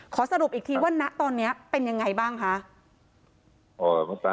สรุปอีกทีว่าณตอนนี้เป็นยังไงบ้างคะ